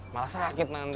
malah sakit man